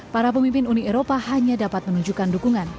para pemimpin uni eropa hanya dapat menunjukkan dukungan